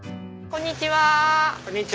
こんにちは。